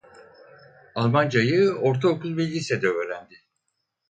Almancayı ortaokul ve lisede öğrendi.